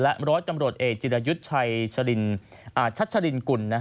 และร้อยดจิลระยุทธ์ไชชะลินกุล